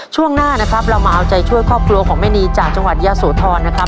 ช่วงหน้านะครับเรามาเอาใจช่วยครอบครัวของแม่นีจากจังหวัดยะโสธรนะครับ